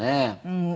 うん。